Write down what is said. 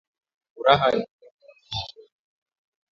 Furaha inaletaka buchungu